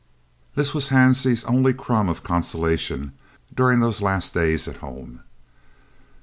This was Hansie's only crumb of consolation during those last days at home.